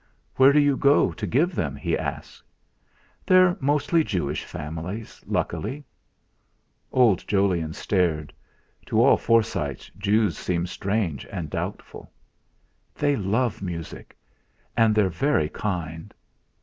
"Where do you go to give them?" he asked. "They're mostly Jewish families, luckily." Old Jolyon stared; to all Forsytes Jews seem strange and doubtful. "They love music, and they're very kind."